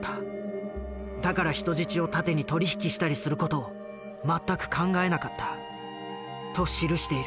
だから人質を盾に取り引きしたりする事を全く考えなかったと記している。